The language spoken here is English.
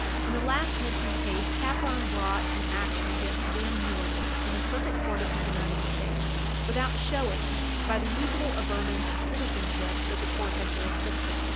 In the last mentioned case, Capron brought an action against Van Noorden in a Circuit Court of the United States without showing, by the usual averments of citizenship, that the court had jurisdiction.